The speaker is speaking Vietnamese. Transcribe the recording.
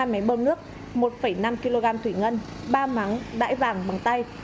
ba máy bơm nước một năm kg thủy ngân ba mắng đại vàng bằng tay